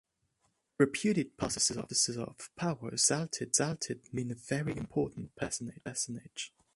The reputed possessor of powers so exalted must have been a very important personage.